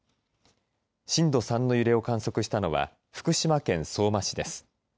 震度３の揺れを観測したのは福島県相馬市です。